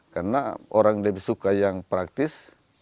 karena orang lebih suka yang praktis